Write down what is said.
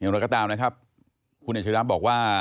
อย่างโดยกระตาลคุณอาจารย์แล้วบอกว่า